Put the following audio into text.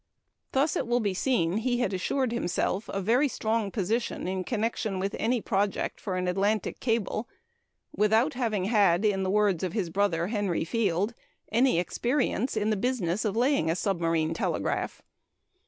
Thus it will be seen he had assured himself a very strong position in connection with any project for an Atlantic cable without having had (in the words of his brother, Henry Field) "any experience in the business of laying a submarine telegraph."